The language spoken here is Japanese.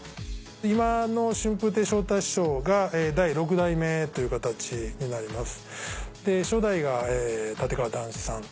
今の春風亭昇太師匠が第６代目という形になります。